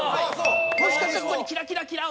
もしかしたらここにキラキラキラ「おめでとう」が。